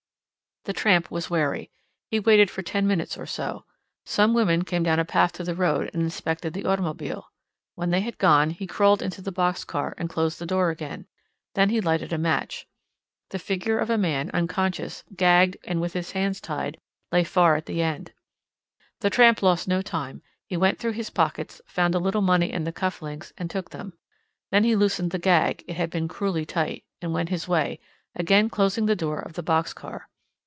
The tramp was wary. He waited for ten minutes or so. Some women came down a path to the road and inspected the automobile. When they had gone, he crawled into the box car and closed the door again. Then he lighted a match. The figure of a man, unconscious, gagged, and with his hands tied, lay far at the end. The tramp lost no time; he went through his pockets, found a little money and the cuff links, and took them. Then he loosened the gag—it had been cruelly tight—and went his way, again closing the door of the box car.